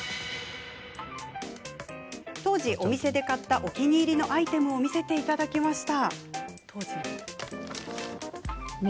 当時、お店で買ったというお気に入りのアイテムを見せていただきました。